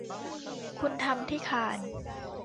คุณทำที่คานส์